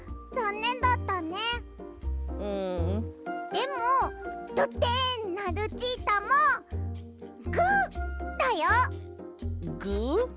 でもドテンなルチータもグッ！だよ！グッ？